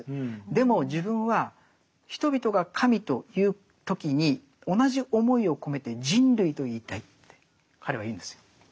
でも自分は人々が神と言う時に同じ思いを込めて人類と言いたいって彼は言うんですよ。